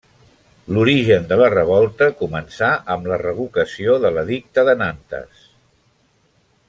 L'origen de la revolta començà amb la revocació de l'Edicte de Nantes.